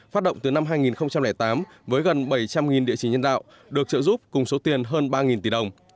phát động từ năm hai nghìn tám với gần bảy trăm linh địa chỉ nhân đạo được trợ giúp cùng số tiền hơn ba tỷ đồng